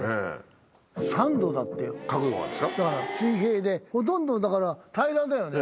だから水平でほとんどだから平らだよね。